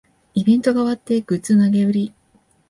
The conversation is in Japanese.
イベントが終わってグッズ投げ売り